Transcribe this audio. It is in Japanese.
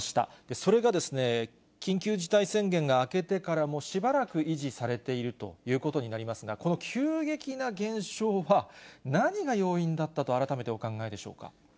それが緊急事態宣言が明けてからも、しばらく維持されているということになりますが、この急激な減少は、何が要因だったと改めてお考えでしょうか。